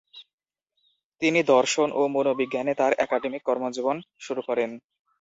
তিনি দর্শন ও মনোবিজ্ঞানে তার একাডেমিক কর্মজীবন শুরু করেন।